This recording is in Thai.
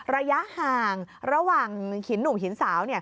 ระยะห่างระหว่างหินหนุ่มหินสาว